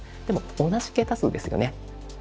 でも同じ桁数ですよね。